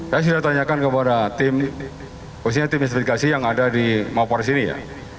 saya sudah tanyakan kepada tim khususnya tim investigasi yang ada di mapores ini ya